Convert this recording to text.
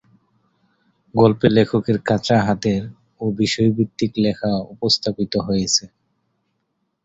গল্পে লেখকের কাঁচা হাতের ও বিষয়ভিত্তিক লেখা উপস্থাপিত হয়েছে।